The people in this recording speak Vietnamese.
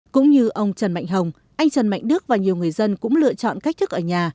cũng như ông trần mạnh hồng anh trần mạnh đức và nhiều người dân cũng lựa chọn cách thức ở nhà